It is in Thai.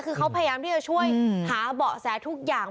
คือเขาพยายามที่จะช่วยหาเบาะแสทุกอย่าง